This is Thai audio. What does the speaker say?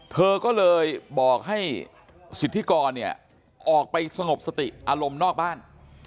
เธอก็เลยบอกให้สิทธิกรเนี่ยออกไปสงบสติอารมณ์นอกบ้าน